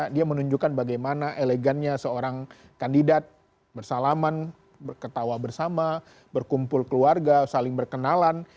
dia menunjukkan bagaimana elegannya seorang kandidat bersalaman berketawa bersama berkumpul keluarga saling berkenalan